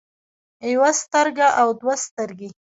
يوه سترګه او دوه سترګې